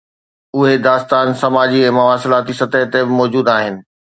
اهي داستان سماجي ۽ مواصلاتي سطح تي به موجود آهن.